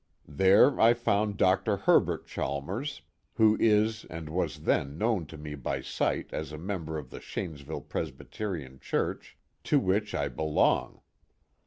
There I found Dr. Herbert Chalmers, who is and was then known to me by sight as a member of the Shanesville Presbyterian Church, to which I belong.